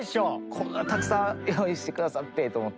こんなたくさん用意して下さってと思って。